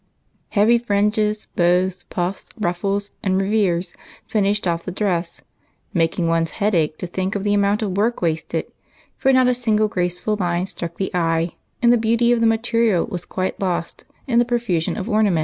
Heavy fringes, bows, puffs, ruffles, and revers finished off the dress, making one's head ache to think of the amount of work wasted, for not a single graceful Una struck the eye, and the beauty of the material was quite lost in the profusion of ornament.